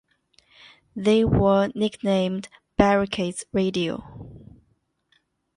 They were nicknamed "barricades radio".